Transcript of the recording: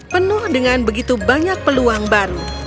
penuh dengan begitu banyak peluang baru